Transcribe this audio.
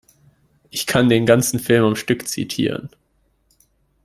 Ich kann den ganzen Film am Stück zitieren.